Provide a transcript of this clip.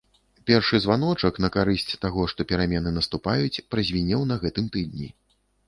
Першы званочак на карысць таго, што перамены наступаюць, празвінеў на гэтым тыдні.